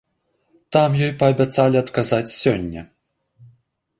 Там ёй паабяцалі адказаць сёння.